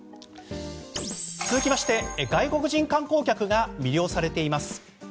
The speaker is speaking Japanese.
続きまして、外国人観光客が魅了されています。